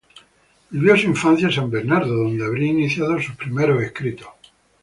Vivió su infancia en San Bernardo donde habría iniciado sus primeros escritos.